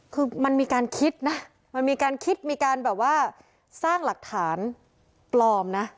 คือมันมีการคิดนะมันมีการคิดมีการแบบว่าสร้างหลักฐานปลอมนะ